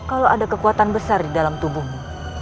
kalau ada kekuatan besar di dalam tubuhmu